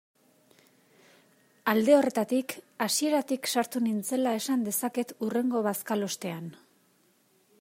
Alde horretatik, hasieratik sartu nintzela esan dezaket hurrengo bazkalostean.